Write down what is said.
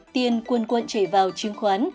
tiền cuồn cuộn chảy vào chương khoán